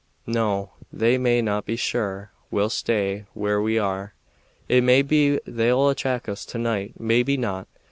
No, they may be sure we'll stay where we are. It may be they'll attack us to night, maybe not.